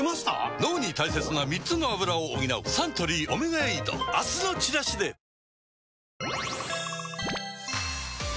脳に大切な３つのアブラを補うサントリー「オメガエイド」明日のチラシで甲斐次長。